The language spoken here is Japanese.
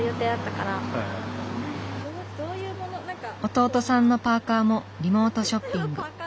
弟さんのパーカーもリモートショッピング。